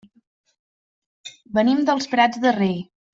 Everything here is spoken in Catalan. Venim dels Prats de Rei.